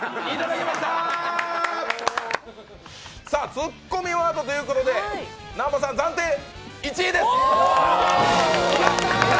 ツッコミワードということで南波さん、暫定１位です！